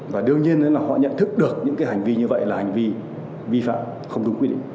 và đương nhiên là họ nhận thức được những cái hành vi như vậy là hành vi vi phạm không đúng quy định